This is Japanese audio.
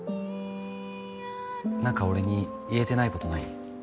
何か俺に言えてないことない？